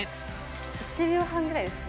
１秒半くらいですかね。